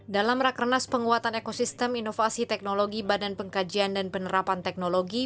dalam rakernas penguatan ekosistem inovasi teknologi badan pengkajian dan penerapan teknologi